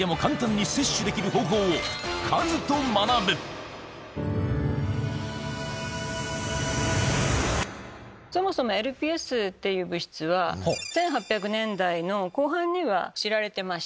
そこでそもそもＬＰＳっていう物質は１８００年代の後半には知られてました。